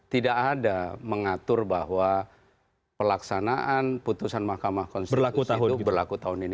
tidak ada mengatur bahwa pelaksanaan putusan mahkamah konstitusi itu berlaku tahun ini